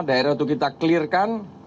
daerah untuk kita clear kan